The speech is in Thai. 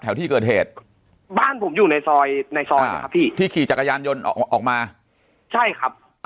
แถวที่เกิดเหตุบ้านผมอยู่ในซอยที่ขี่จักรยานยนต์ออกมาใช่ครับ